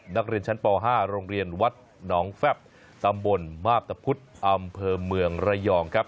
นักเรียนชั้นป๕โรงเรียนวัดหนองแฟบตำบลมาพตะพุธอำเภอเมืองระยองครับ